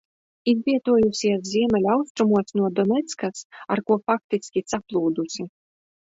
Izvietojusies ziemeļaustrumos no Doneckas, ar ko faktiski saplūdusi.